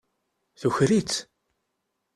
Tuker-itt.